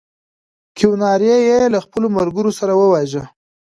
کیوناري یې له خپلو ملګرو سره وواژه.